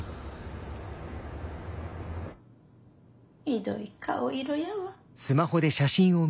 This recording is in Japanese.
ひどい顔色やわ。